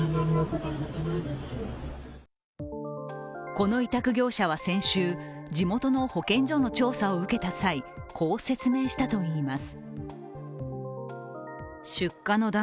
この委託業者は先週、地元の保健所の調査を受けた際、こう説明したといいます。